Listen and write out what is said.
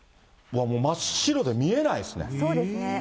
もう真っ白で見えないですもん。